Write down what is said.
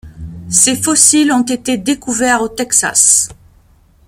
Ses fossiles ont été découverts au Texas.